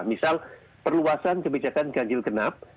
misal perluasan kebijakan ganggil kenap